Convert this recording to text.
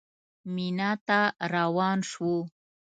مینا ته روان شوو.